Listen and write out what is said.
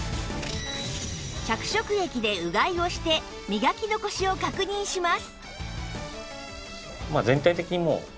着色液でうがいをして磨き残しを確認します